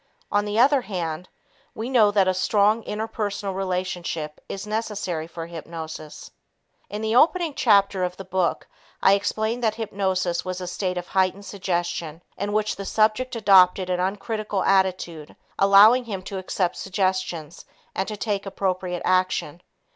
On the other hand, we know that a strong interpersonal relationship is necessary for hypnosis. In the opening chapter of the book, I explained that hypnosis was a state of heightened suggestion in which the subject adopted an uncritical attitude, allowing him to accept suggestions and to take appropriate action.